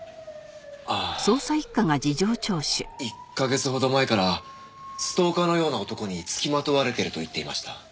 ああ１カ月ほど前からストーカーのような男に付きまとわれてると言っていました。